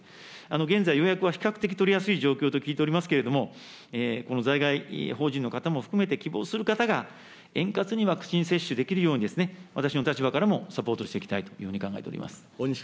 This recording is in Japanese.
現在、予約は比較的取りやすい状況と聞いておりますけれども、この在外邦人の方も含めて、希望する方が円滑にワクチン接種できるように、私の立場からもサポートしていきたいというふうに考えております。